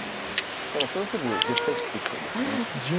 ただそうすると絶対切ってきそうですよね。